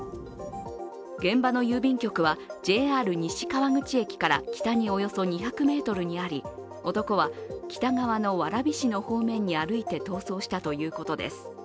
現場の郵便局はＪＲ西川口駅から北におよそ２００ｍにあり男は北側の蕨市の方面に歩いて逃走したということです。